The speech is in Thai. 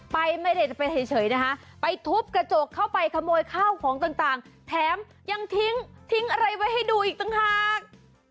ไปไม่ได้จะไปเฉยนะคะไปทุบกระจกเข้าไปขโมยข้าวของต่างแถมยังทิ้งทิ้งอะไรไว้ให้ดูอีกต่างหาก